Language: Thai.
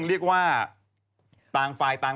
เรียกว่าต่างฝ่ายต่าง